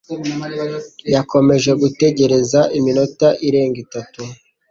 yakomeje gutegereza iminota irenga itatu